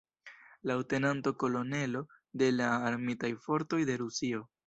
Leŭtenanto Kolonelo de la Armitaj Fortoj de Rusio.